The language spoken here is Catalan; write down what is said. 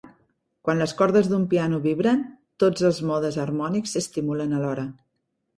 Quan les cordes d'un piano vibren, tots els modes harmònics s'estimulen a l'hora.